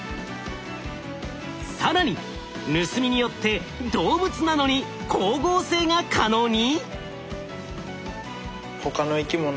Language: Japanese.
更に盗みによって動物なのに光合成が可能に！？